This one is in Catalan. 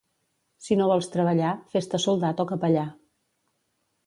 Si no vols treballar, fes-te soldat o capellà.